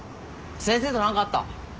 先生と何かあった？